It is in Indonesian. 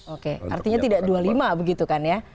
oke artinya tidak dua puluh lima begitu kan ya